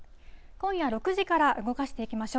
今夜６時から動かしていきましょう。